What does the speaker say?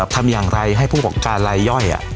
ทำอย่างไรให้ผู้ประกอบการลายย่อย